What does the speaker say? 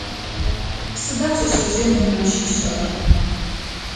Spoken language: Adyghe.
Сыда пшъэшъэжъыем унэм щишӏэрэр?